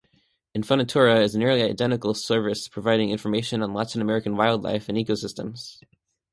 Infonatura is a nearly identical service providing information on Latin American wildlife and ecosystems.